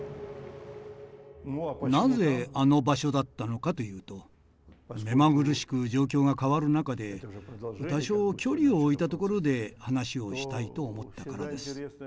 なぜあの場所だったのかというと目まぐるしく状況が変わる中で多少距離を置いた所で話をしたいと思ったからです。